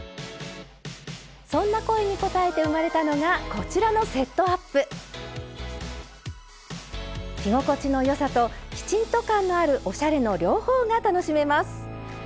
そんな声に応えて生まれたのがこちらの着心地の良さときちんと感のあるおしゃれの両方が楽しめます。